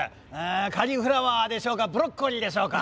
「カリフラワーでしょうかブロッコリーでしょうか？」。